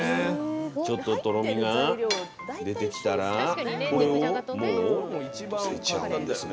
ちょっと、とろみが出てきたらこれを、もう載せちゃうんですね。